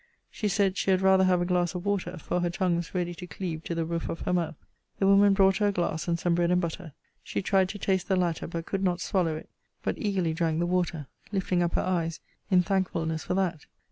She said, she had rather have a glass of water; for her tongue was ready to cleave to the roof of her mouth. The woman brought her a glass, and some bread and butter. She tried to taste the latter; but could not swallow it: but eagerly drank the water; lifting up her eyes in thankfulness for that!!!